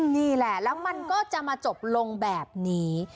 นี่แหละแล้วมันก็จะมาจบลงแบบนี้